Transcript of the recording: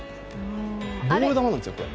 ボール球なんですよ、これ。